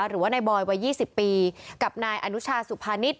หรือว่านายบอยวัย๒๐ปีกับนายอนุชาสุภานิษฐ